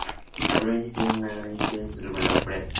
La provincia tiene una larga historia de la Ópera de Sichuan.